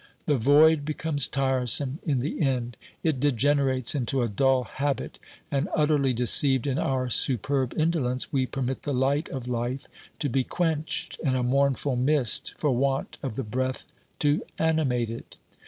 The void becomes tiresome in the end; it OBERMANN 187 degenerates into a dull habit; and, utterly deceived in our superb indolence, we permit the light of life to be quenched in a mournful mist for want of the breath to animate it.